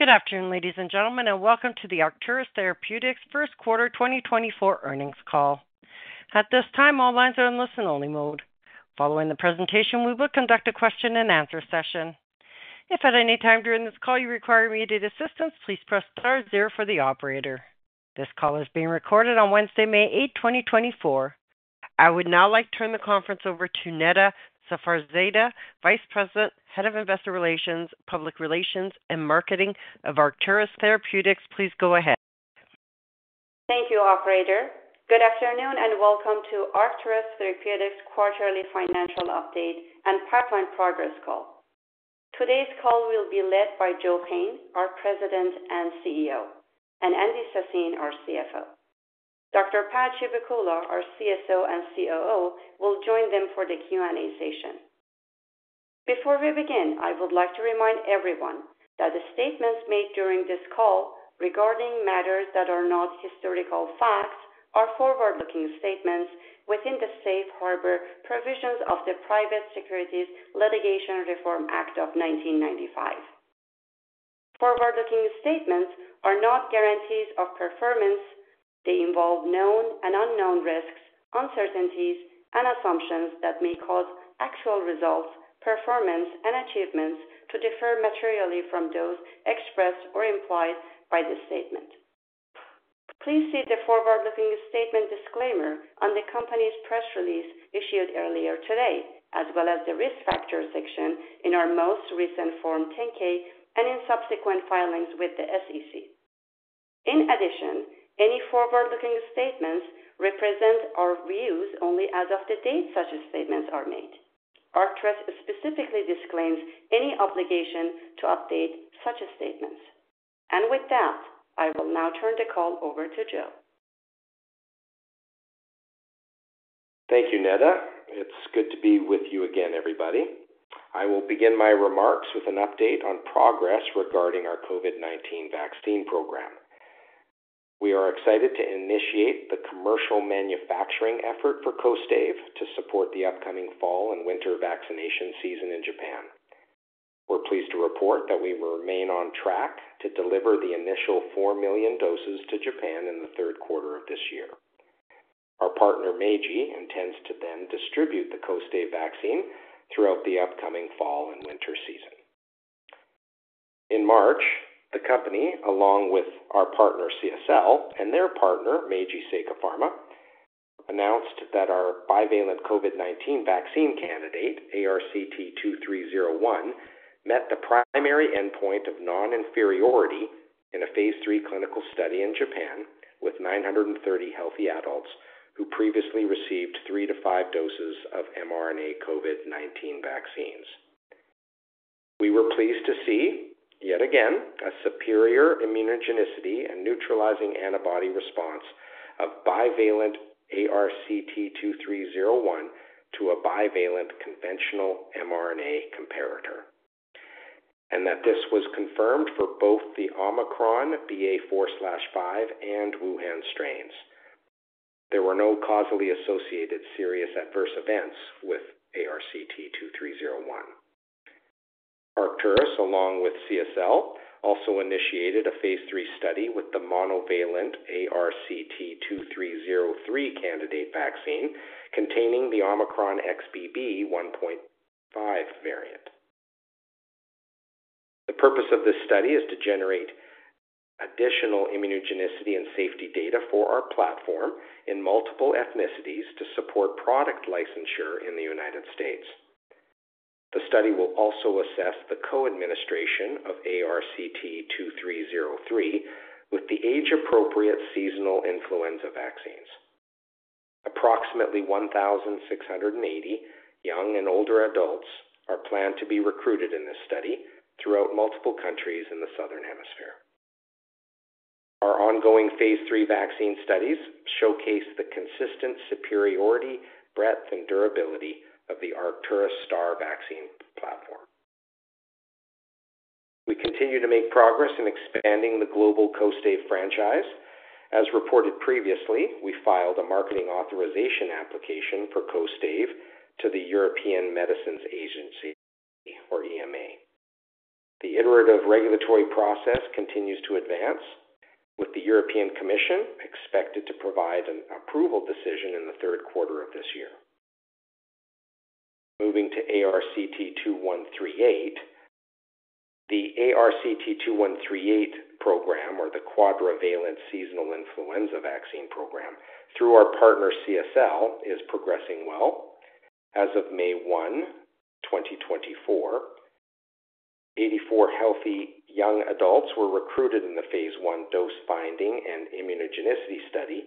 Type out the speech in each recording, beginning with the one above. Good afternoon, ladies and gentlemen, and welcome to the Arcturus Therapeutics first quarter 2024 earnings call. At this time, all lines are in listen-only mode. Following the presentation, we will conduct a question-and-answer session. If at any time during this call you require immediate assistance, please press star zero for the operator. This call is being recorded on Wednesday, May 8, 2024. I would now like to turn the conference over to Neda Safarzadeh, Vice President, Head of Investor Relations, Public Relations, and Marketing of Arcturus Therapeutics. Please go ahead. Thank you, Operator. Good afternoon and welcome to Arcturus Therapeutics' quarterly financial update and pipeline progress call. Today's call will be led by Joe Payne, our President and CEO, and Andy Sassine, our CFO. Dr. Pad Chivukula, our CSO and COO, will join them for the Q&A session. Before we begin, I would like to remind everyone that the statements made during this call regarding matters that are not historical facts are forward-looking statements within the safe harbor provisions of the Private Securities Litigation Reform Act of 1995. Forward-looking statements are not guarantees of performance; they involve known and unknown risks, uncertainties, and assumptions that may cause actual results, performance, and achievements to differ materially from those expressed or implied by the statement. Please see the forward-looking statement disclaimer on the company's press release issued earlier today, as well as the risk factors section in our most recent Form 10-K and in subsequent filings with the SEC. In addition, any forward-looking statements represent our views only as of the date such statements are made. Arcturus specifically disclaims any obligation to update such statements. With that, I will now turn the call over to Joe. Thank you, Neda. It's good to be with you again, everybody. I will begin my remarks with an update on progress regarding our COVID-19 vaccine program. We are excited to initiate the commercial manufacturing effort for KOSTAIVE to support the upcoming fall and winter vaccination season in Japan. We're pleased to report that we remain on track to deliver the initial four million doses to Japan in the third quarter of this year. Our partner Meiji intends to then distribute the KOSTAIVE vaccine throughout the upcoming fall and winter season. In March, the company, along with our partner CSL and their partner Meiji Seika Pharma, announced that our bivalent COVID-19 vaccine candidate, ARCT-2301, met the primary endpoint of non-inferiority in a Phase 3 clinical study in Japan with 930 healthy adults who previously received three to five doses of mRNA COVID-19 vaccines. We were pleased to see, yet again, a superior immunogenicity and neutralizing antibody response of bivalent ARCT-2301 to a bivalent conventional mRNA comparator, and that this was confirmed for both the Omicron BA.4/5 and Wuhan strains. There were no causally associated serious adverse events with ARCT-2301. Arcturus, along with CSL, also initiated a phase three study with the monovalent ARCT-2303 candidate vaccine containing the Omicron XBB.1.5 variant. The purpose of this study is to generate additional immunogenicity and safety data for our platform in multiple ethnicities to support product licensure in the United States. The study will also assess the co-administration of ARCT-2303 with the age-appropriate seasonal influenza vaccines. Approximately 1,680 young and older adults are planned to be recruited in this study throughout multiple countries in the Southern Hemisphere. Our ongoing phase three vaccine studies showcase the consistent superiority, breadth, and durability of the Arcturus STARR vaccine platform. We continue to make progress in expanding the global KOSTAIVE franchise. As reported previously, we filed a marketing authorization application for KOSTAIVE to the European Medicines Agency, or EMA. The iterative regulatory process continues to advance, with the European Commission expected to provide an approval decision in the third quarter of this year. Moving to ARCT-2138, the ARCT-2138 program, or the quadrivalent seasonal influenza vaccine program, through our partner CSL is progressing well. As of May 1, 2024, 84 healthy young adults were recruited in the Phase 1 dose finding and immunogenicity study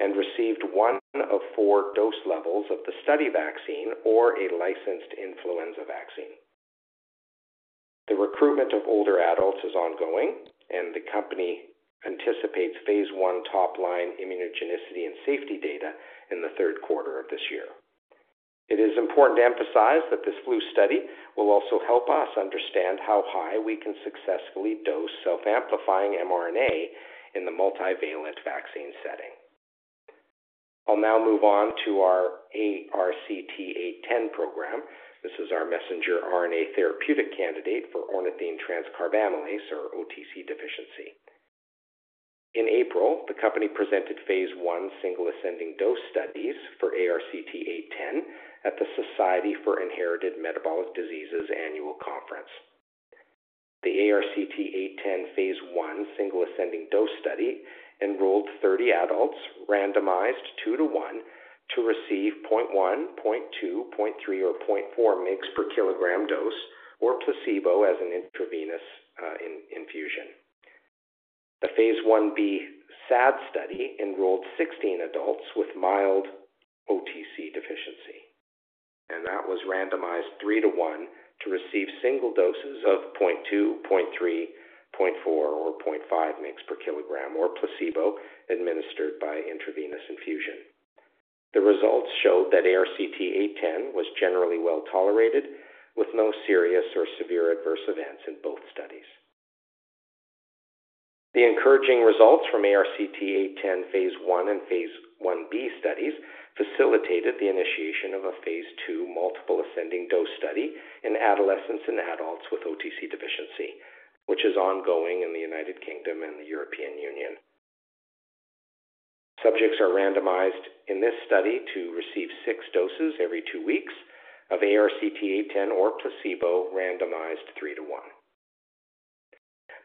and received one of four dose levels of the study vaccine or a licensed influenza vaccine. The recruitment of older adults is ongoing, and the company anticipates Phase 1 top-line immunogenicity and safety data in the third quarter of this year. It is important to emphasize that this flu study will also help us understand how high we can successfully dose self-amplifying mRNA in the multivalent vaccine setting. I'll now move on to our ARCT-810 program. This is our messenger RNA therapeutic candidate for ornithine transcarbamylase, or OTC deficiency. In April, the company presented phase 1 single-ascending dose studies for ARCT-810 at the Society for Inherited Metabolic Diseases annual conference. The ARCT-810 Phase 1 single-ascending dose study enrolled 30 adults, randomized two-to-one, to receive 0.1, 0.2, 0.3, or 0.4 mg/kg dose, or placebo as an intravenous infusion. The Phase 1b SAD study enrolled 16 adults with mild OTC deficiency, and that was randomized three-to-one to receive single doses of 0.2, 0.3, 0.4, or 0.5 mg/kg, or placebo administered by intravenous infusion. The results showed that ARCT-810 was generally well tolerated, with no serious or severe adverse events in both studies. The encouraging results from ARCT-810 Phase 1 and Phase 1b studies facilitated the initiation of a Phase 2 multiple-ascending dose study in adolescents and adults with OTC deficiency, which is ongoing in the United Kingdom and the European Union. Subjects are randomized in this study to receive six doses every two weeks of ARCT-810 or placebo, randomized 3:1.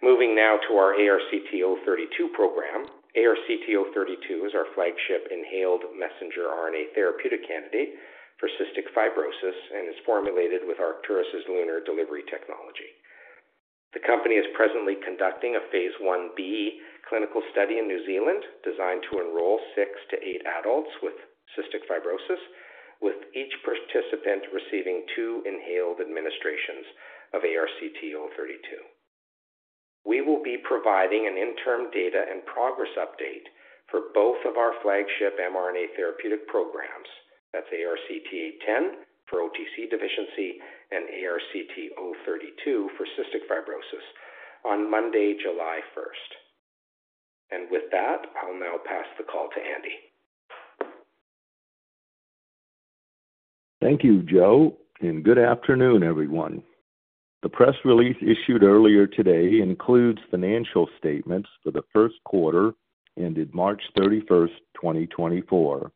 Moving now to our ARCT-032 program. ARCT-032 is our flagship inhaled messenger RNA therapeutic candidate for cystic fibrosis and is formulated with Arcturus's LUNAR delivery technology. The company is presently conducting a phase 1b clinical study in New Zealand designed to enroll six-eight adults with cystic fibrosis, with each participant receiving two inhaled administrations of ARCT-032. We will be providing an interim data and progress update for both of our flagship mRNA therapeutic programs, that's ARCT-810 for OTC deficiency and ARCT-032 for cystic fibrosis, on Monday, July 1st. With that, I'll now pass the call to Andy. Thank you, Joe, and good afternoon, everyone. The press release issued earlier today includes financial statements for the first quarter ended March 31, 2024,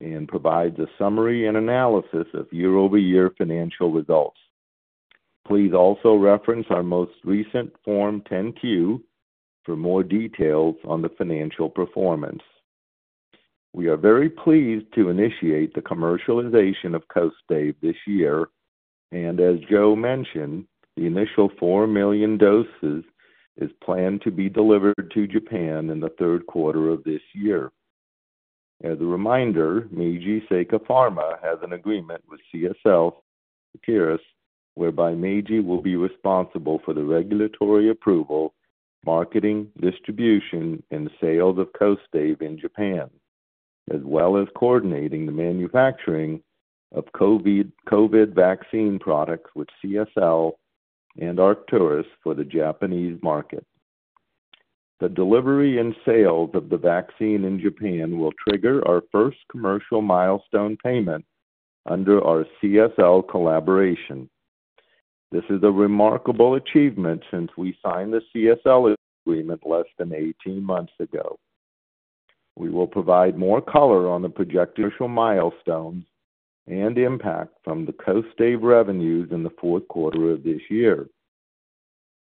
and provides a summary and analysis of year-over-year financial results. Please also reference our most recent Form 10-Q for more details on the financial performance. We are very pleased to initiate the commercialization of KOSTAIVE this year, and as Joe mentioned, the initial four million doses is planned to be delivered to Japan in the third quarter of this year. As a reminder, Meiji Seika Pharma has an agreement with CSL and Arcturus whereby Meiji will be responsible for the regulatory approval, marketing, distribution, and sales of KOSTAIVE in Japan, as well as coordinating the manufacturing of COVID vaccine products with CSL and Arcturus for the Japanese market. The delivery and sales of the vaccine in Japan will trigger our first commercial milestone payment under our CSL collaboration. This is a remarkable achievement since we signed the CSL agreement less than 18 months ago. We will provide more color on the projected commercial milestones and impact from the KOSTAIVE revenues in the fourth quarter of this year.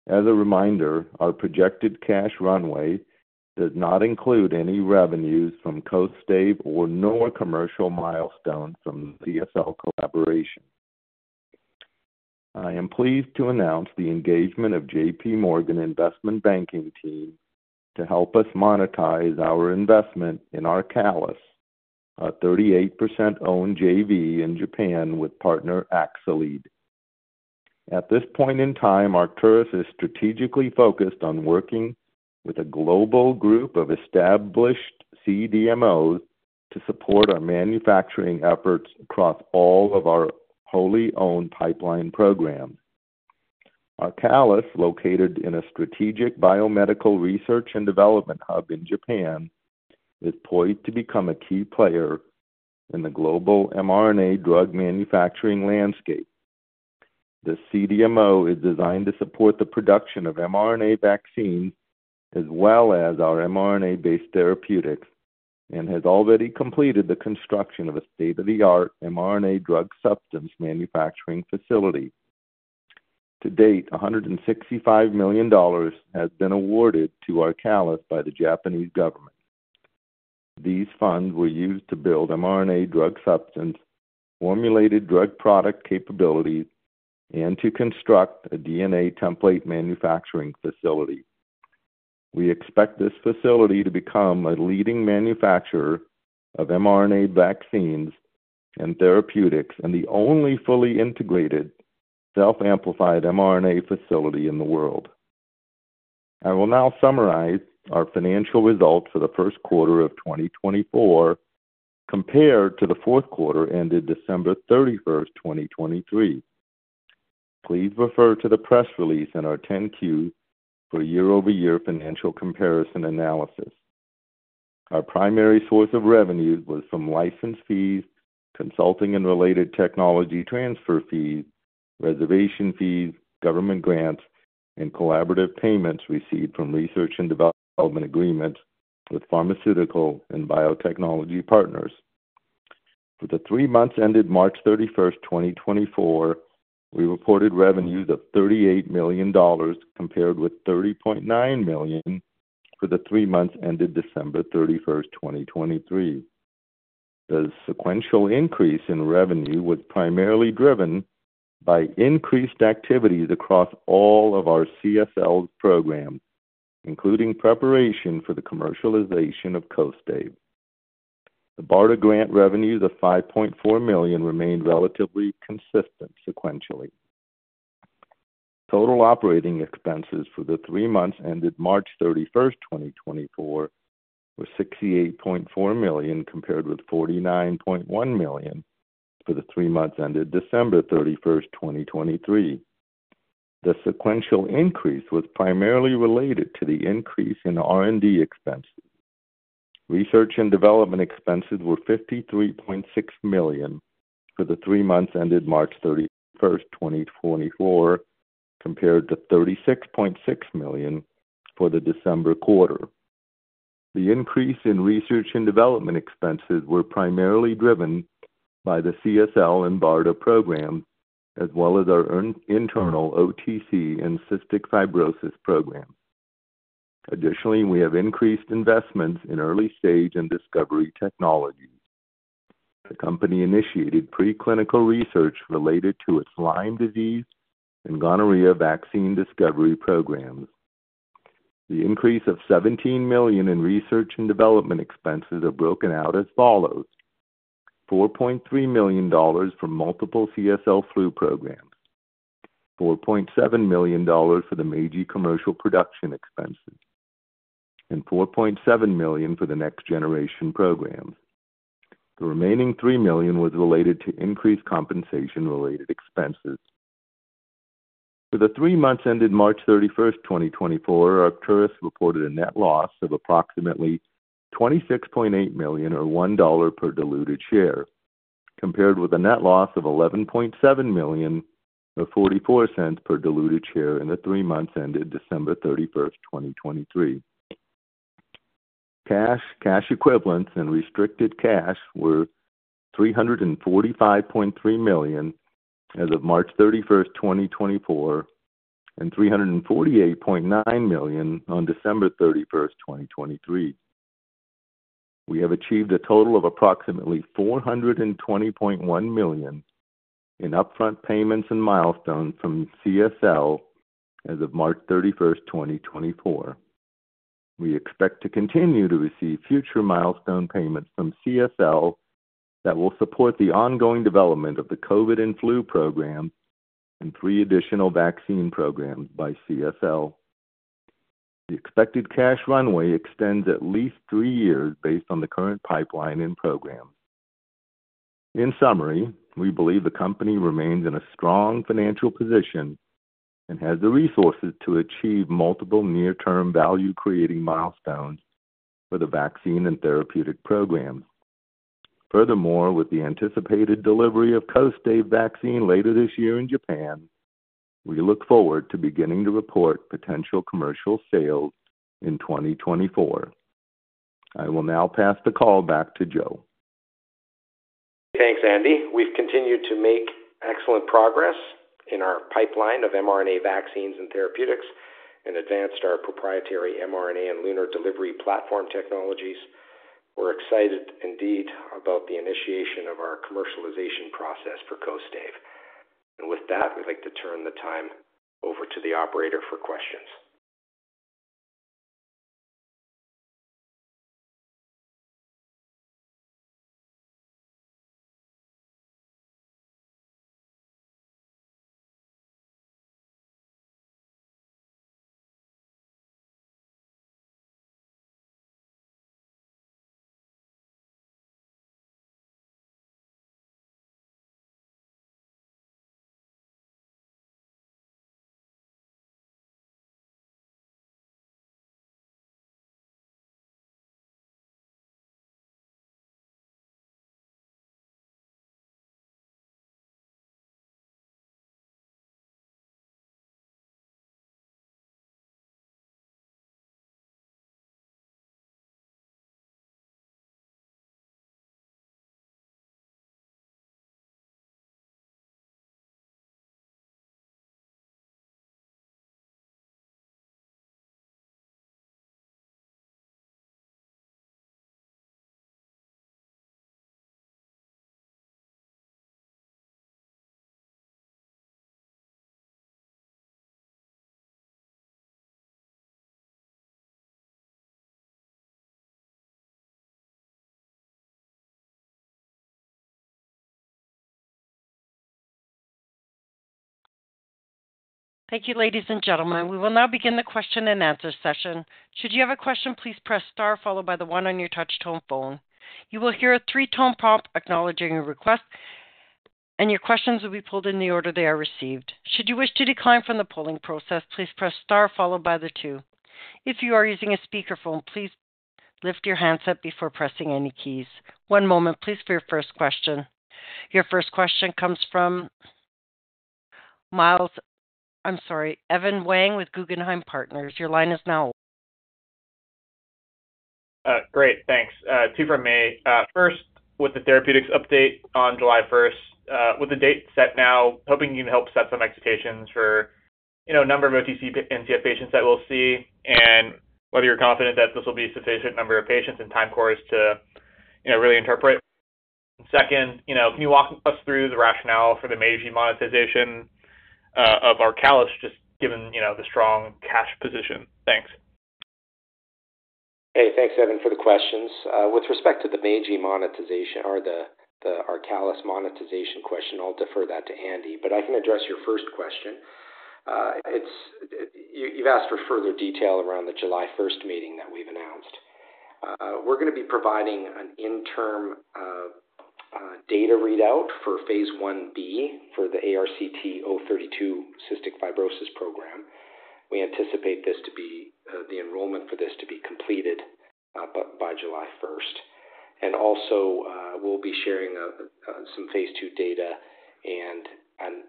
As a reminder, our projected cash runway does not include any revenues from KOSTAIVE or no commercial milestone from the CSL collaboration. I am pleased to announce the engagement of JPMorgan Investment Banking team to help us monetize our investment in our Arcalis, a 38% owned JV in Japan with partner Axcelead. At this point in time, Arcturus is strategically focused on working with a global group of established CDMOs to support our manufacturing efforts across all of our wholly owned pipeline programs. Our Arcalis, located in a strategic biomedical research and development hub in Japan, is poised to become a key player in the global mRNA drug manufacturing landscape. The CDMO is designed to support the production of mRNA vaccines as well as our mRNA-based therapeutics and has already completed the construction of a state-of-the-art mRNA drug substance manufacturing facility. To date, $165 million has been awarded to our Arcalis by the Japanese government. These funds were used to build mRNA drug substance, formulated drug product capabilities, and to construct a DNA template manufacturing facility. We expect this facility to become a leading manufacturer of mRNA vaccines and therapeutics and the only fully integrated self-amplifying mRNA facility in the world. I will now summarize our financial results for the first quarter of 2024 compared to the fourth quarter ended December 31, 2023. Please refer to the press release in our 10-Q for year-over-year financial comparison analysis. Our primary source of revenue was from license fees, consulting and related technology transfer fees, reservation fees, government grants, and collaborative payments received from research and development agreements with pharmaceutical and biotechnology partners. For the three months ended March 31, 2024, we reported revenues of $38 million compared with $30.9 million for the three months ended December 31, 2023. The sequential increase in revenue was primarily driven by increased activities across all of our CSL programs, including preparation for the commercialization of KOSTAIVE. The BARDA grant revenues of $5.4 million remained relatively consistent sequentially. Total operating expenses for the three months ended March 31, 2024, were $68.4 million compared with $49.1 million for the three months ended December 31, 2023. The sequential increase was primarily related to the increase in R&D expenses. Research and development expenses were $53.6 million for the three months ended March 31, 2024, compared to $36.6 million for the December quarter. The increase in research and development expenses was primarily driven by the CSL and BARDA programs, as well as our internal OTC and cystic fibrosis programs. Additionally, we have increased investments in early-stage and discovery technologies. The company initiated preclinical research related to its Lyme disease and gonorrhea vaccine discovery programs. The increase of $17 million in research and development expenses is broken out as follows: $4.3 million from multiple CSL flu programs, $4.7 million for the Meiji commercial production expenses, and $4.7 million for the next generation programs. The remaining $3 million was related to increased compensation-related expenses. For the three months ended March 31, 2024, Arcturus reported a net loss of approximately $26.8 million or $1 per diluted share, compared with a net loss of $11.7 million or $0.44 per diluted share in the three months ended December 31, 2023. Cash equivalents and restricted cash were $345.3 million as of March 31, 2024, and $348.9 million on December 31, 2023. We have achieved a total of approximately $420.1 million in upfront payments and milestones from CSL as of March 31, 2024. We expect to continue to receive future milestone payments from CSL that will support the ongoing development of the COVID and flu programs and three additional vaccine programs by CSL. The expected cash runway extends at least three years based on the current pipeline and programs. In summary, we believe the company remains in a strong financial position and has the resources to achieve multiple near-term value-creating milestones for the vaccine and therapeutic programs. Furthermore, with the anticipated delivery of KOSTAIVE vaccine later this year in Japan, we look forward to beginning to report potential commercial sales in 2024. I will now pass the call back to Joe. Thanks, Andy. We've continued to make excellent progress in our pipeline of mRNA vaccines and therapeutics and advanced our proprietary mRNA and lunar delivery platform technologies. We're excited, indeed, about the initiation of our commercialization process for KOSTAIVE. And with that, we'd like to turn the time over to the operator for questions. Thank you, ladies and gentlemen. We will now begin the question and answer session. Should you have a question, please press star followed by one on your touch-tone phone. You will hear a three-tone prompt acknowledging your request, and your questions will be pulled in the order they are received. Should you wish to decline from the polling process, please press star followed by two. If you are using a speakerphone, please lift your handset before pressing any keys. One moment, please, for your first question. Your first question comes from Miles. I'm sorry, Evan Wang with Guggenheim Partners. Your line is now. Great, thanks. Two from me. First, with the therapeutics update on July 1st, with the date set now, hoping you can help set some expectations for a number of OTC and CF patients that we'll see and whether you're confident that this will be a sufficient number of patients and time course to really interpret. Second, can you walk us through the rationale for the Meiji monetization of our ARCALIS, just given the strong cash position? Thanks. Hey, thanks, Evan, for the questions. With respect to the Meiji monetization or our ARCALIS monetization question, I'll defer that to Andy, but I can address your first question. You've asked for further detail around the July 1st meeting that we've announced. We're going to be providing an interim data readout for Phase 1b for the ARCT-032 cystic fibrosis program. We anticipate this to be the enrollment for this to be completed by July 1st. And also, we'll be sharing some Phase 2 data and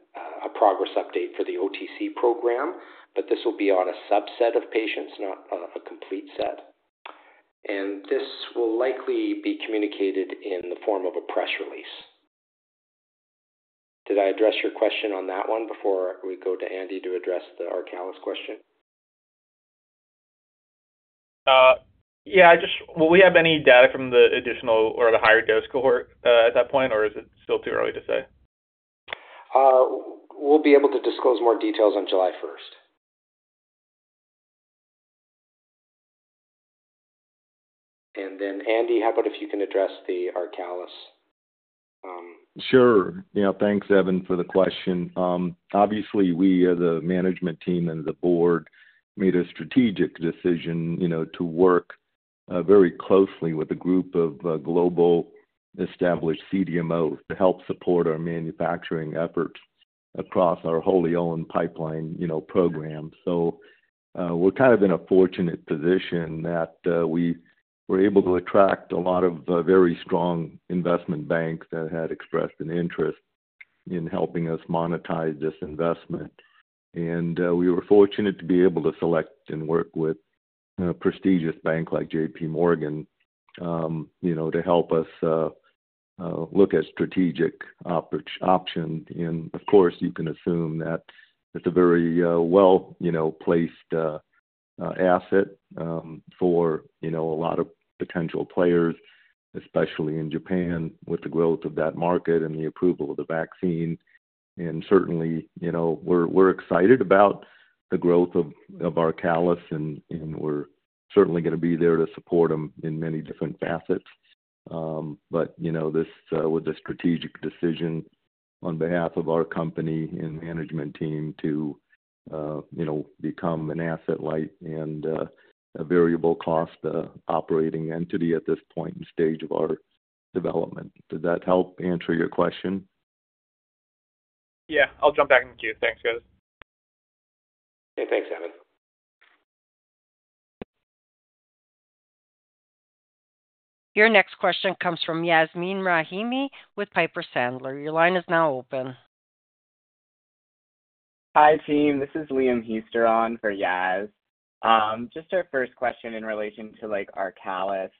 a progress update for the OTC program, but this will be on a subset of patients, not a complete set. And this will likely be communicated in the form of a press release. Did I address your question on that one before we go to Andy to address our ARCALIS question? Yeah. Will we have any data from the additional or the higher-dose cohort at that point, or is it still too early to say? We'll be able to disclose more details on July 1st. And then, Andy, how about if you can address our CSL? Sure. Thanks, Evan, for the question. Obviously, we as a management team and the board made a strategic decision to work very closely with a group of global established CDMOs to help support our manufacturing efforts across our wholly owned pipeline program. We're kind of in a fortunate position that we were able to attract a lot of very strong investment banks that had expressed an interest in helping us monetize this investment. We were fortunate to be able to select and work with a prestigious bank like JPMorgan to help us look at strategic options. Of course, you can assume that it's a very well-placed asset for a lot of potential players, especially in Japan with the growth of that market and the approval of the vaccine. Certainly, we're excited about the growth of our ARCALIS, and we're certainly going to be there to support them in many different facets. This was a strategic decision on behalf of our company and management team to become an asset-light and a variable-cost operating entity at this point in stage of our development. Did that help answer your question? Yeah. I'll jump back in the queue. Thanks, guys. Hey, thanks, Evan. Your next question comes from Yasmeen Rahimi with Piper Sandler. Your line is now open. Hi, team. This is Liam Hiester for Yasmeen. Just our first question in relation to ARCALIS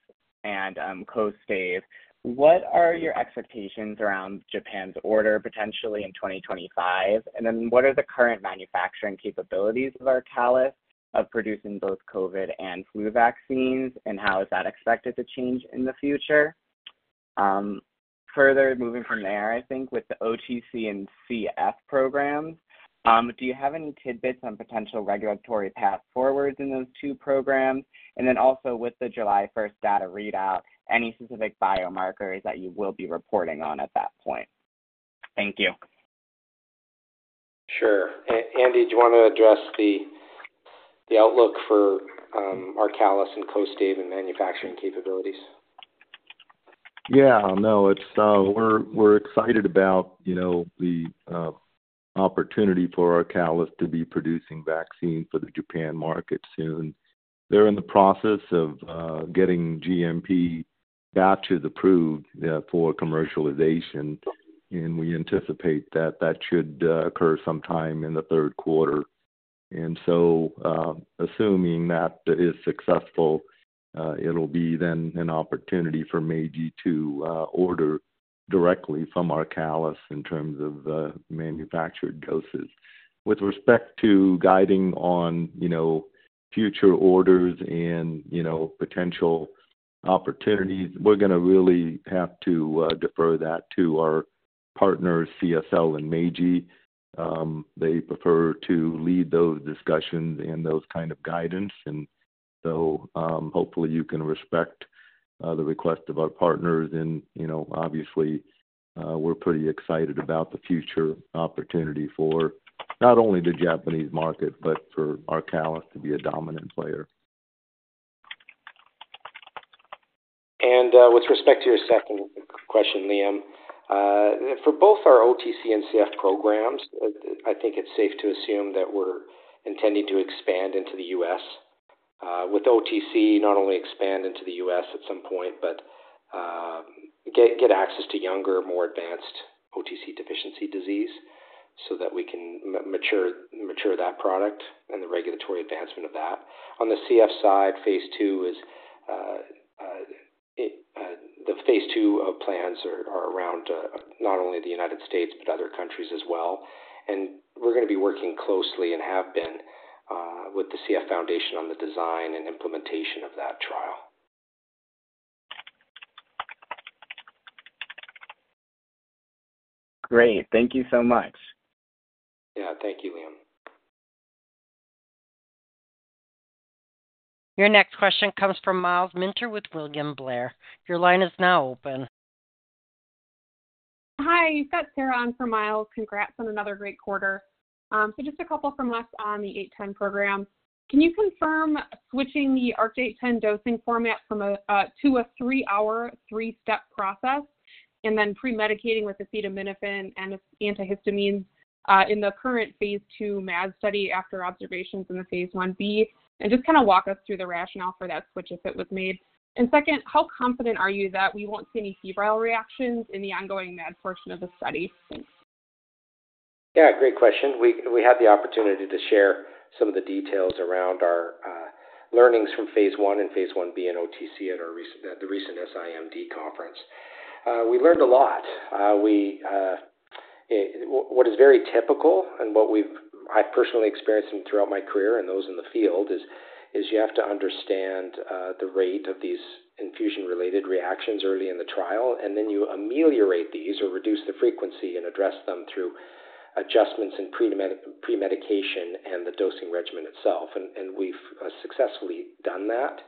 and KOSTAIVE. What are your expectations around Japan's order potentially in 2025? And then what are the current manufacturing capabilities of ARCALIS of producing both COVID and flu vaccines, and how is that expected to change in the future? Further moving from there, I think, with the OTC and CF programs, do you have any tidbits on potential regulatory path forwards in those two programs? And then also, with the July 1st data readout, any specific biomarkers that you will be reporting on at that point? Thank you. Sure. Andy, do you want to address the outlook for our ARCALIS and KOSTAIVE and manufacturing capabilities? Yeah. No, we're excited about the opportunity for our ARCALIS to be producing vaccines for the Japan market soon. They're in the process of getting GMP batches approved for commercialization, and we anticipate that that should occur sometime in the third quarter. Assuming that is successful, it'll be then an opportunity for Meiji to order directly from our ARCALIS in terms of manufactured doses. With respect to guiding on future orders and potential opportunities, we're going to really have to defer that to our partners, CSL and Meiji. They prefer to lead those discussions and those kinds of guidance. Hopefully, you can respect the request of our partners. Obviously, we're pretty excited about the future opportunity for not only the Japanese market but for our ARCALIS to be a dominant player. With respect to your second question, Liam, for both our OTC and CF programs, I think it's safe to assume that we're intending to expand into the U.S. With OTC, not only expand into the U.S. at some point but get access to younger, more advanced OTC deficiency disease so that we can mature that product and the regulatory advancement of that. On the CF side, Phase 2 is the Phase 2 of plans are around not only the United States but other countries as well. And we're going to be working closely and have been with the Cystic Fibrosis Foundation on the design and implementation of that trial. Great. Thank you so much. Yeah. Thank you, Liam. Your next question comes from Miles Minter with William Blair. Your line is now open. Hi. You've got Sarah on for Miles. Congrats on another great quarter. So just a couple from us on the ARCT-810 program. Can you confirm switching the ARCT-810 dosing format to a three-hour, three-step process and then premedicating with acetaminophen and antihistamines in the current Phase 2 MAD study after observations in the Phase 1b? And just kind of walk us through the rationale for that switch if it was made. And second, how confident are you that we won't see any febrile reactions in the ongoing MAD portion of the study? Thanks. Yeah, great question. We had the opportunity to share some of the details around our learnings from phase one and Phase 1b in OTC at the recent SIMD conference. We learned a lot. What is very typical and what I've personally experienced throughout my career and those in the field is you have to understand the rate of these infusion-related reactions early in the trial, and then you ameliorate these or reduce the frequency and address them through adjustments in premedication and the dosing regimen itself. And we've successfully done that.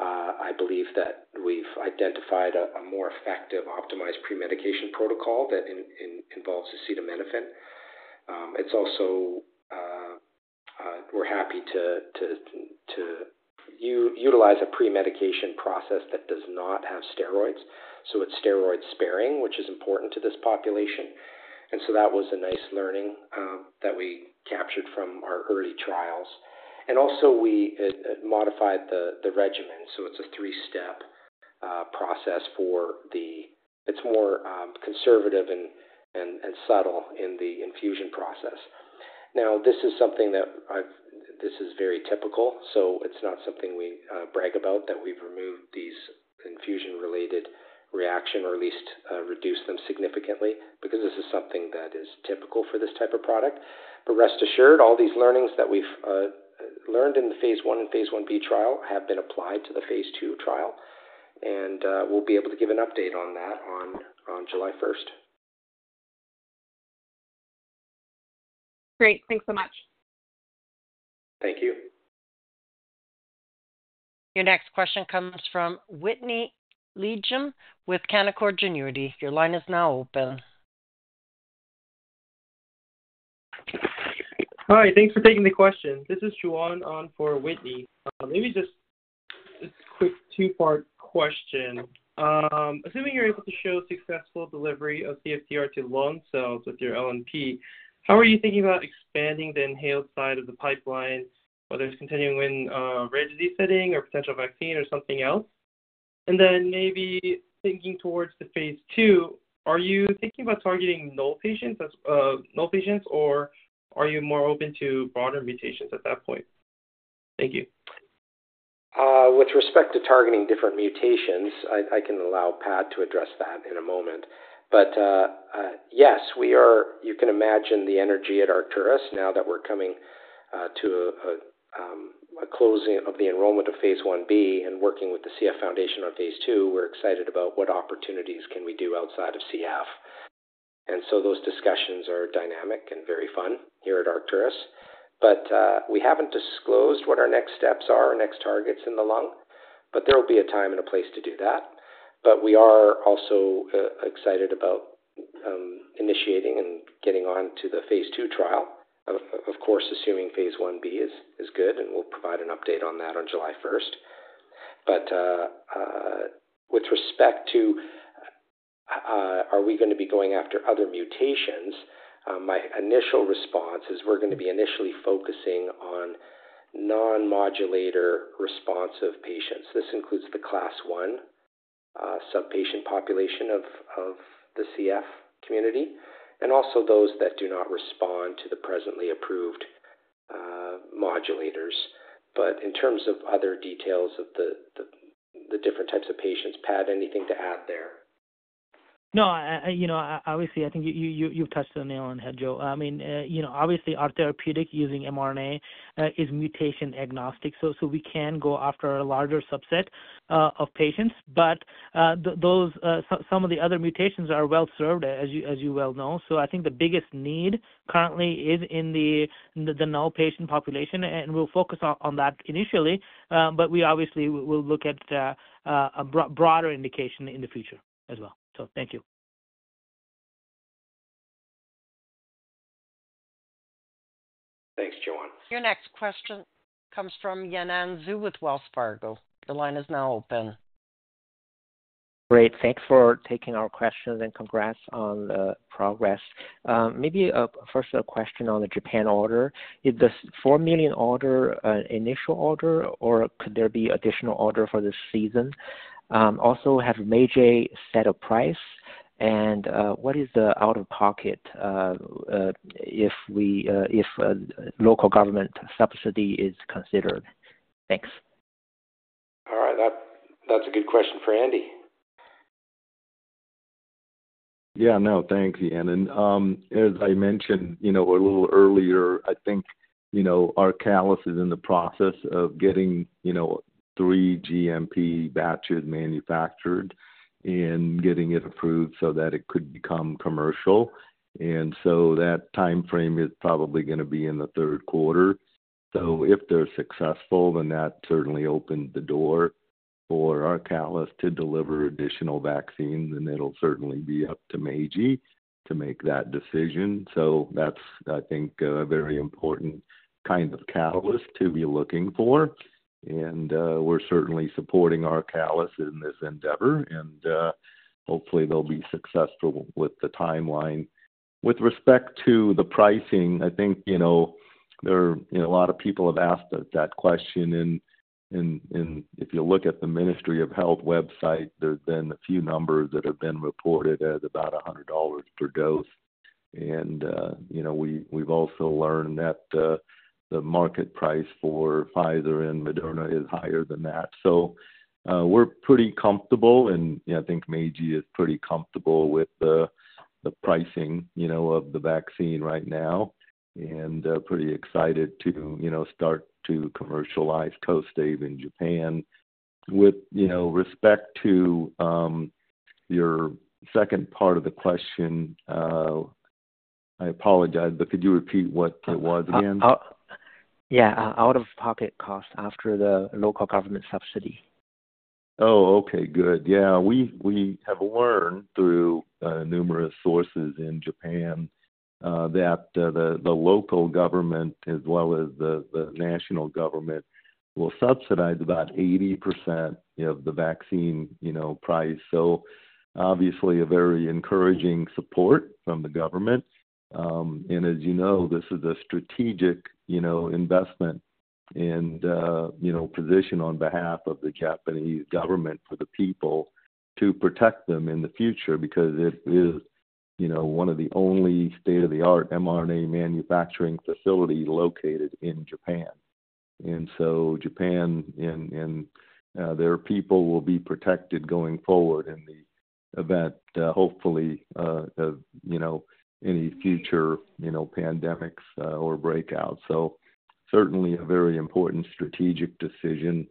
I believe that we've identified a more effective optimized premedication protocol that involves acetaminophen. We're happy to utilize a premedication process that does not have steroids. So it's steroid-sparing, which is important to this population. And so that was a nice learning that we captured from our early trials. And also, we modified the regimen. So it's a three-step process. It's more conservative and subtle in the infusion process. Now, this is something. This is very typical. So it's not something we brag about that we've removed these infusion-related reaction or at least reduced them significantly because this is something that is typical for this type of product. But rest assured, all these learnings that we've learned in the phase one and phase 1b trial have been applied to the Phase 2 trial. We'll be able to give an update on that on July 1st. Great. Thanks so much. Thank you. Your next question comes from Whitney Ijem with Canaccord Genuity. Your line is now open. Hi. Thanks for taking the question. This is Joohwan on for Whitney. Maybe just a quick two-part question. Assuming you're able to show successful delivery of CFTR to lung cells with your LNP, how are you thinking about expanding the inhaled side of the pipeline, whether it's continuing in rare disease setting or potential vaccine or something else? And then maybe thinking towards the Phase 2, are you thinking about targeting null patients, or are you more open to broader mutations at that point? Thank you. With respect to targeting different mutations, I can allow Pat to address that in a moment. But yes, you can imagine the energy at Arcturus now that we're coming to a closing of the enrollment of phase 1b and working with the CF Foundation on Phase 2. We're excited about what opportunities can we do outside of CF. And so those discussions are dynamic and very fun here at Arcturus. But we haven't disclosed what our next steps are or next targets in the lung, but there will be a time and a place to do that. But we are also excited about initiating and getting on to the Phase 2 trial, of course, assuming Phase 1b is good, and we'll provide an update on that on July 1st. But with respect to are we going to be going after other mutations, my initial response is we're going to be initially focusing on non-modulator responsive patients. This includes the Class I subpatient population of the CF community and also those that do not respond to the presently approved modulators. But in terms of other details of the different types of patients, Pat, anything to add there? No, obviously, I think you've hit the nail on the head, Joe. I mean, obviously, our therapeutic using mRNA is mutation agnostic, so we can go after a larger subset of patients. But some of the other mutations are well served, as you well know. So I think the biggest need currently is in the null patient population, and we'll focus on that initially. But we obviously will look at a broader indication in the future as well. So thank you. Thanks, Juan. Your next question comes from Yanan Zhu with Wells Fargo. Your line is now open. Great. Thanks for taking our questions and congrats on the progress. Maybe first, a question on the Japan order. Is the four million order an initial order, or could there be additional order for this season? Also, have Meiji set a price, and what is the out-of-pocket if local government subsidy is considered? Thanks. All right. That's a good question for Andy. Yeah. No, thanks, Yanan. As I mentioned a little earlier, I think our ARCALIS is in the process of getting three GMP batches manufactured and getting it approved so that it could become commercial. And so that timeframe is probably going to be in the third quarter. So if they're successful, then that certainly opened the door for our ARCALIS to deliver additional vaccines. And it'll certainly be up to Meiji to make that decision. So that's, I think, a very important kind of catalyst to be looking for. And we're certainly supporting our ARCALIS in this endeavor, and hopefully, they'll be successful with the timeline. With respect to the pricing, I think a lot of people have asked that question. And if you look at the Ministry of Health website, there's been a few numbers that have been reported as about $100 per dose. We've also learned that the market price for Pfizer and Moderna is higher than that. We're pretty comfortable, and I think Meiji is pretty comfortable with the pricing of the vaccine right now and pretty excited to start to commercialize KOSTAIVE in Japan. With respect to your second part of the question, I apologize, but could you repeat what it was again? Yeah. Out-of-pocket cost after the local government subsidy. Oh, okay. Good. Yeah. We have learned through numerous sources in Japan that the local government as well as the national government will subsidize about 80% of the vaccine price. So obviously, a very encouraging support from the government. And as you know, this is a strategic investment and position on behalf of the Japanese government for the people to protect them in the future because it is one of the only state-of-the-art mRNA manufacturing facilities located in Japan. And so Japan and their people will be protected going forward in the event, hopefully, of any future pandemics or breakouts. So certainly, a very important strategic decision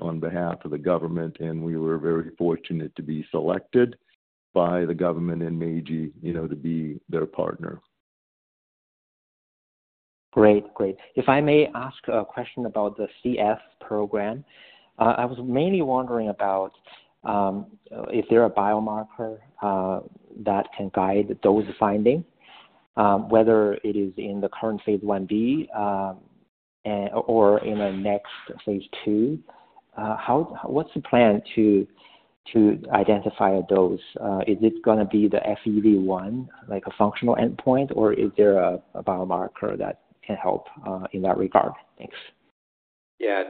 on behalf of the government. And we were very fortunate to be selected by the government and Meiji to be their partner. Great. Great. If I may ask a question about the CF program, I was mainly wondering about if there are biomarkers that can guide those findings, whether it is in the current phase 1b or in the next Phase two. What's the plan to identify those? Is it going to be the FEV1, like a functional endpoint, or is there a biomarker that can help in that regard? Thanks. Yeah.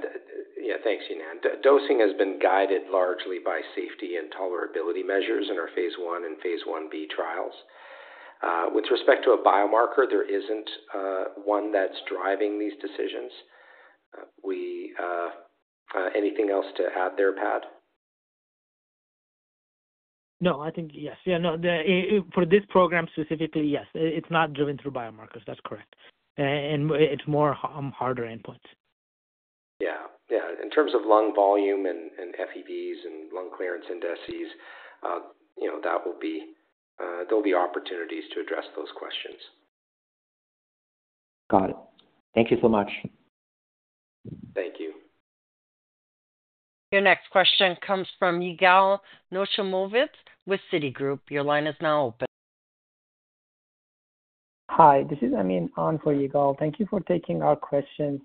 Yeah. Thanks, Yanan. Dosing has been guided largely by safety and tolerability measures in our phase 1 and phase 1b trials. With respect to a biomarker, there isn't one that's driving these decisions. Anything else to add there, Pat? No. I think yes. Yeah. No. For this program specifically, yes, it's not driven through biomarkers. That's correct. And it's more harder endpoints. Yeah. Yeah. In terms of lung volume and FEV1s and lung clearance indices, there'll be opportunities to address those questions. Got it. Thank you so much. Thank you. Your next question comes from Yigal Nochomovitz with Citigroup. Your line is now open. Hi. This is Amin on for Yigal. Thank you for taking our questions.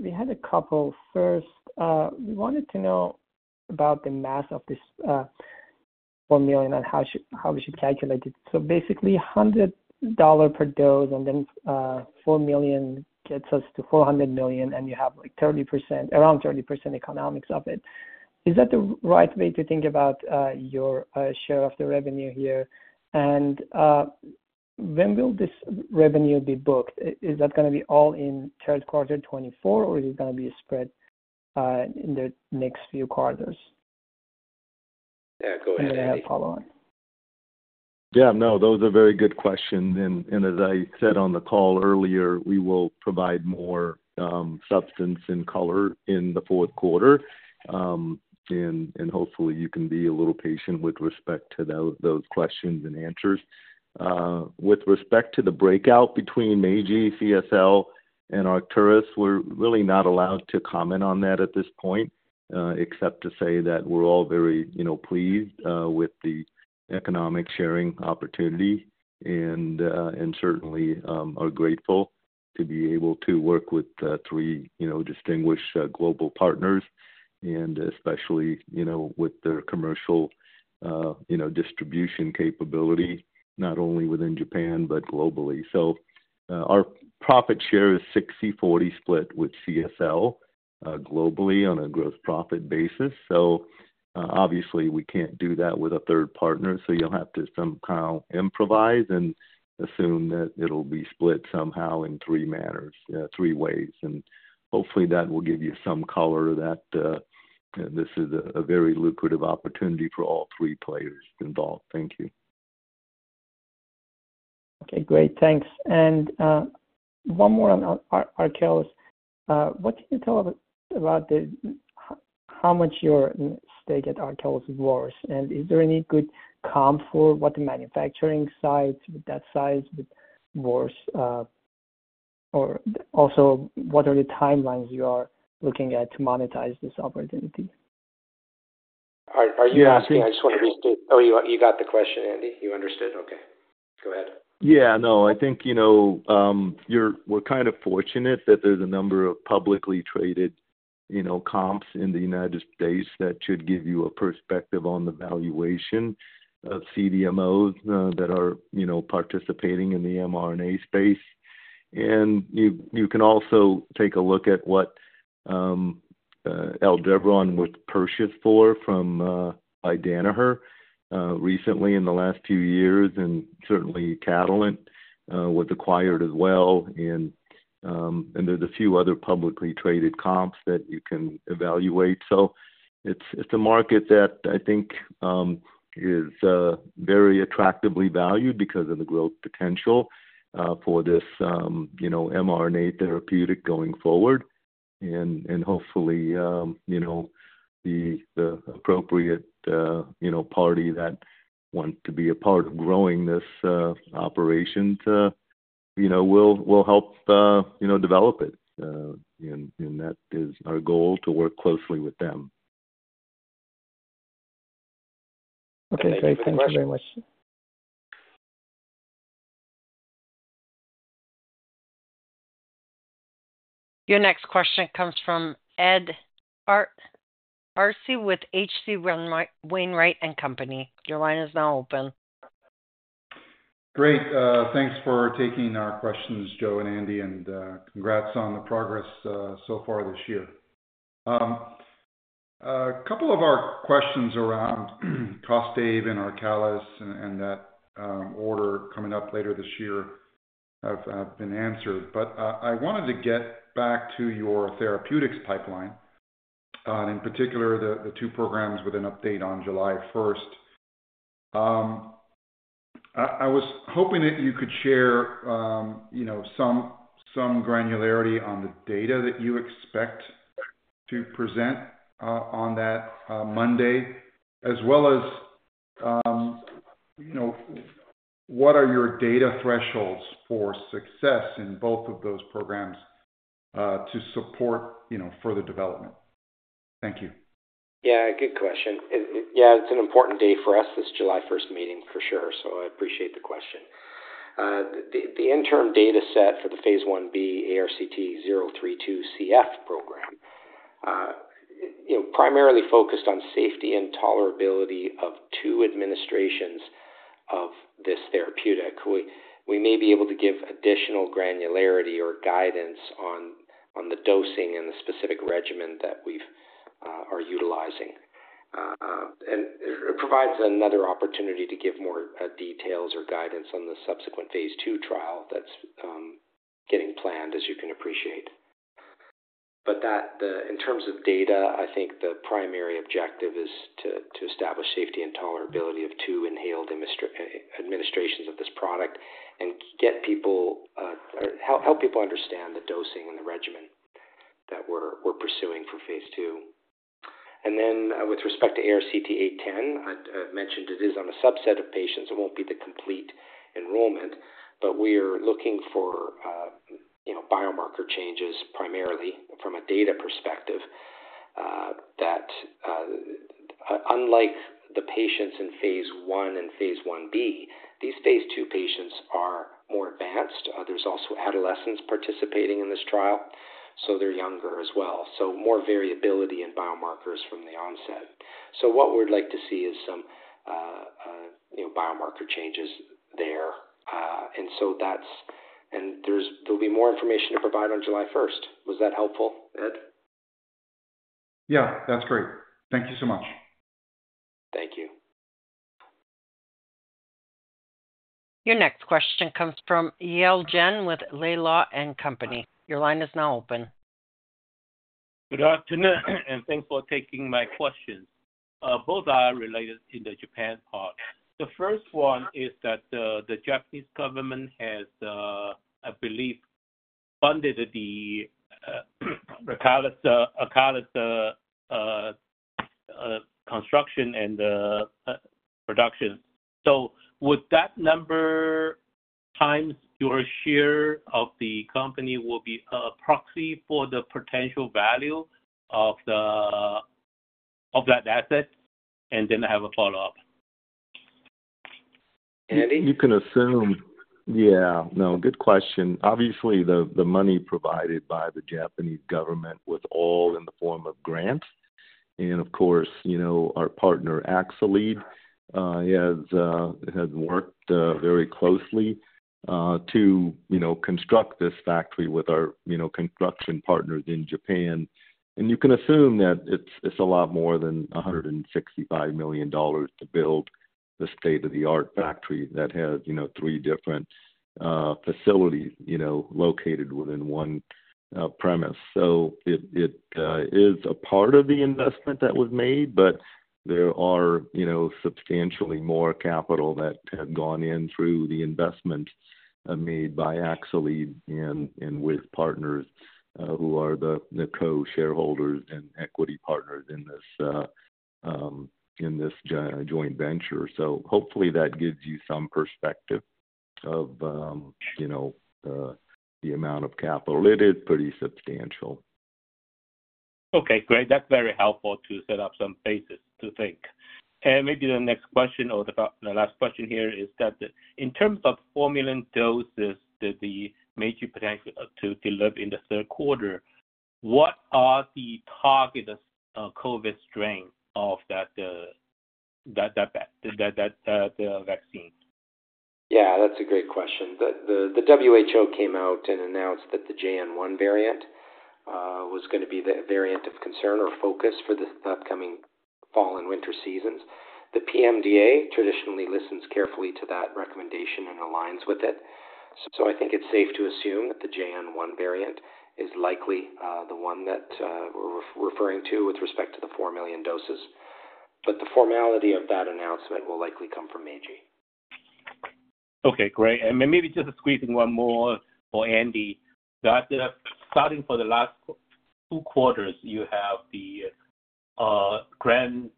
We had a couple. First, we wanted to know about the math of this four million and how we should calculate it. So basically, $100 per dose and then four million gets us to $400 million, and you have around 30% economics of it. Is that the right way to think about your share of the revenue here? And when will this revenue be booked? Is that going to be all in third quarter 2024, or is it going to be spread in the next few quarters? Yeah. Go ahead, Andy. I have a follow-up. Yeah. No. Those are very good questions. As I said on the call earlier, we will provide more substance and color in the fourth quarter. Hopefully, you can be a little patient with respect to those questions and answers. With respect to the breakout between Meiji, CSL, and Arcturus, we're really not allowed to comment on that at this point except to say that we're all very pleased with the economic sharing opportunity and certainly are grateful to be able to work with three distinguished global partners and especially with their commercial distribution capability, not only within Japan but globally. Our profit share is 60/40 split with CSL globally on a gross profit basis. Obviously, we can't do that with a third partner. You'll have to somehow improvise and assume that it'll be split somehow in three ways. Hopefully, that will give you some color that this is a very lucrative opportunity for all three players involved. Thank you. Okay. Great. Thanks. And one more on Arcturus. What can you tell about how much your stake in Arcturus is worth? And is there any good comp for what the manufacturing site with that size is worth? Or also, what are the timelines you are looking at to monetize this opportunity? Are you asking? I just want to restate. Oh, you got the question, Andy. You understood. Okay. Go ahead. Yeah. No. I think we're kind of fortunate that there's a number of publicly traded comps in the United States that should give you a perspective on the valuation of CDMOs that are participating in the mRNA space. And you can also take a look at what Aldevron was purchased for by Danaher recently in the last few years and certainly Catalent was acquired as well. And there's a few other publicly traded comps that you can evaluate. So it's a market that I think is very attractively valued because of the growth potential for this mRNA therapeutic going forward. And hopefully, the appropriate party that wants to be a part of growing this operation will help develop it. And that is our goal, to work closely with them. Okay. Great. Thank you very much. Your next question comes from Ed Arce with H.C. Wainwright & Co. Your line is now open. Great. Thanks for taking our questions, Joe and Andy, and congrats on the progress so far this year. A couple of our questions around KOSTAIVE and ARCALIS and that order coming up later this year have been answered. I wanted to get back to your therapeutics pipeline, in particular, the two programs with an update on July 1st. I was hoping that you could share some granularity on the data that you expect to present on that Monday as well as what are your data thresholds for success in both of those programs to support further development? Thank you. Yeah. Good question. Yeah. It's an important day for us, this July 1st meeting, for sure. So I appreciate the question. The interim dataset for the Phase 1b ARCT-032 CF program primarily focused on safety and tolerability of two administrations of this therapeutic. We may be able to give additional granularity or guidance on the dosing and the specific regimen that we are utilizing. And it provides another opportunity to give more details or guidance on the subsequent Phase two trial that's getting planned, as you can appreciate. But in terms of data, I think the primary objective is to establish safety and tolerability of two inhaled administrations of this product and help people understand the dosing and the regimen that we're pursuing for Phase two. And then with respect to ARCT-810, I mentioned it is on a subset of patients. It won't be the complete enrollment. But we are looking for biomarker changes primarily from a data perspective that, unlike the patients in Phase one and Phase 1b, these Phase two patients are more advanced. There's also adolescents participating in this trial, so they're younger as well, so more variability in biomarkers from the onset. So what we'd like to see is some biomarker changes there. And there'll be more information to provide on July 1st. Was that helpful, Ed? Yeah. That's great. Thank you so much. Thank you. Your next question comes from Yale Jen with Laidlaw & Company. Your line is now open. Good afternoon. Thanks for taking my questions. Both are related in the Japan part. The first one is that the Japanese government has, I believe, funded the ARCALIS construction and production. So would that number times your share of the company will be a proxy for the potential value of that asset? And then I have a follow-up. Andy? You can assume. Yeah. No. Good question. Obviously, the money provided by the Japanese government was all in the form of grants. Of course, our partner Axcelead has worked very closely to construct this factory with our construction partners in Japan. You can assume that it's a lot more than $165 million to build the state-of-the-art factory that has three different facilities located within one premise. It is a part of the investment that was made, but there are substantially more capital that has gone in through the investment made by Axcelead and with partners who are the co-shareholders and equity partners in this joint venture. Hopefully, that gives you some perspective of the amount of capital. It is pretty substantial. Okay. Great. That's very helpful to set up some basis to think. And maybe the next question or the last question here is that in terms of formulated doses that the Meiji potentially to deliver in the third quarter, what are the target COVID strains of that vaccine? Yeah. That's a great question. The WHO came out and announced that the JN.1 variant was going to be the variant of concern or focus for the upcoming fall and winter seasons. The PMDA traditionally listens carefully to that recommendation and aligns with it. So I think it's safe to assume that the JN.1 variant is likely the one that we're referring to with respect to the four million doses. But the formality of that announcement will likely come from Meiji. Okay. Great. And maybe just a squeezing one more for Andy. Starting for the last two quarters, you have the grant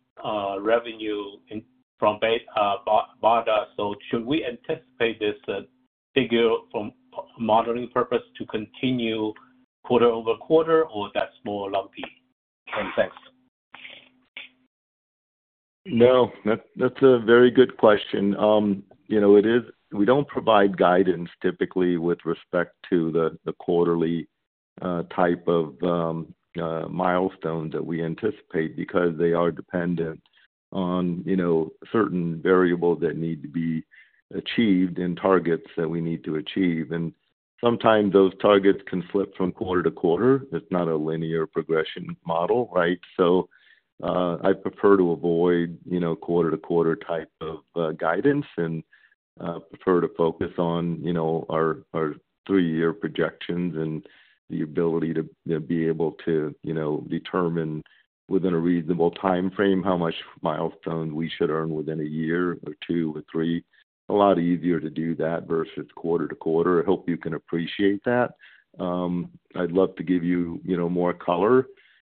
revenue from BARDA. So should we anticipate this figure for modeling purposes to continue quarter-over-quarter, or that's more lumpy? And thanks. No. That's a very good question. We don't provide guidance typically with respect to the quarterly type of milestone that we anticipate because they are dependent on certain variables that need to be achieved and targets that we need to achieve. And sometimes those targets can flip from quarter to quarter. It's not a linear progression model, right? So I prefer to avoid quarter-to-quarter type of guidance and prefer to focus on our three-year projections and the ability to be able to determine within a reasonable timeframe how much milestone we should earn within a year or two or three. A lot easier to do that versus quarter to quarter. I hope you can appreciate that. I'd love to give you more color.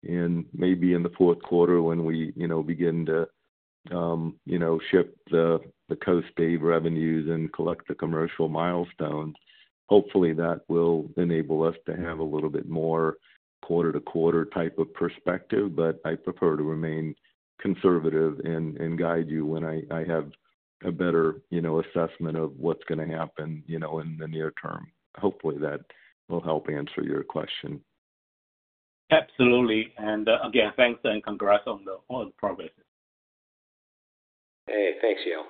Maybe in the fourth quarter when we begin to shift the KOSTAIVE revenues and collect the commercial milestones, hopefully, that will enable us to have a little bit more quarter-to-quarter type of perspective. I prefer to remain conservative and guide you when I have a better assessment of what's going to happen in the near term. Hopefully, that will help answer your question. Absolutely. Again, thanks and congrats on all the progress. Hey. Thanks, Yale.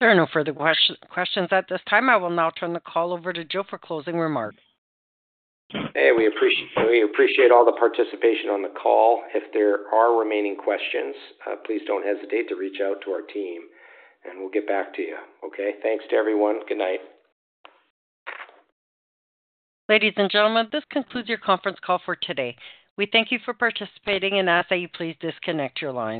There are no further questions at this time. I will now turn the call over to Joe for closing remarks. Hey. We appreciate all the participation on the call. If there are remaining questions, please don't hesitate to reach out to our team, and we'll get back to you. Okay? Thanks to everyone. Good night. Ladies and gentlemen, this concludes your conference call for today. We thank you for participating, and as I say, please disconnect your line.